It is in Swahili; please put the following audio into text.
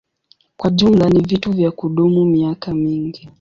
Kwa jumla ni vitu vya kudumu miaka mingi.